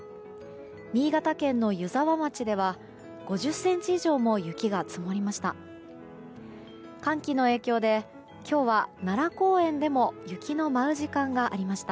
新潟県の湯沢町では５０ｃｍ以上も雪が積もりました。